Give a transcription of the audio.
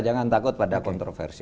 jangan takut pada kontroversi